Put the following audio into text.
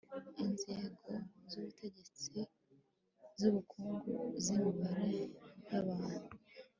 inzego z'ubutegetsi, z'ubukungu, z'imibanire y'abantu